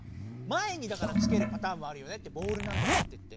前につけるパターンもあるよねってボールなんとかっていって。